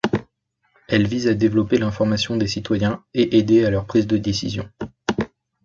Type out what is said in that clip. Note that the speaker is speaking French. Elle vise à développer l'information des citoyens et aider à leur prise de décisions.